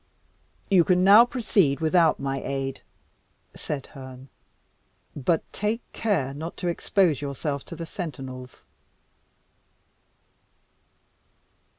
"You can now proceed without my aid," said Herne: "but take care not to expose yourself to the sentinels."